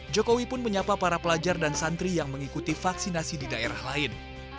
jokowi pun menyapa para pelajar dan santri yang mengikuti vaksinasi di daerah lain